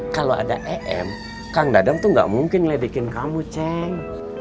kalau ada em kang dadang tuh gak mungkin ledekin kamu cek